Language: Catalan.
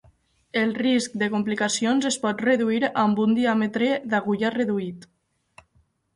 El risc de complicacions es pot reduir amb un diàmetre d'agulla reduït.